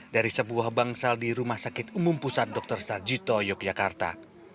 dari sebuah bangsal di rumah sakit umum pusat dr sarjito yogyakarta